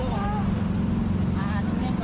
หว่านี้ว่ะ